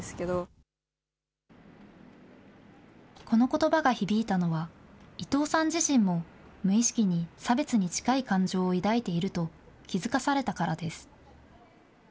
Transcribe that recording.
このことばが響いたのは、伊藤さん自身も無意識に差別に近い感情を抱いていると気付かされたからです。